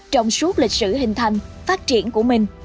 trong suốt lịch sử hình thành phát triển của mình